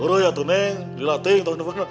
gua tuh neng dilatih tahun depan